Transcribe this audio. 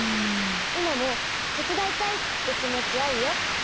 いまもてつだいたいってきもちあるよ。